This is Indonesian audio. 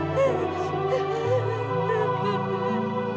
tidak ada yang ganggu lagi